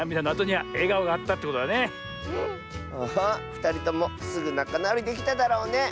ふたりともすぐなかなおりできただろうね。